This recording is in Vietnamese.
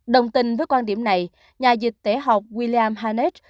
đồng tình với quan điểm này nhà dịch tễ học william hanet